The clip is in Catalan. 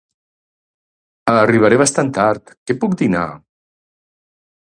Arribaré bastant tard, què puc dinar?